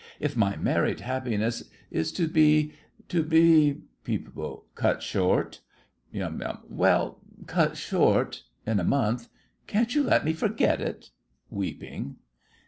If my married happiness is to be—to be— PEEP. Cut short. YUM. Well, cut short—in a month, can't you let me forget it? (Weeping.)